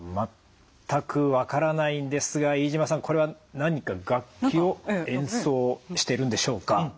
全く分からないんですが飯島さんこれは何か楽器を演奏してるんでしょうか？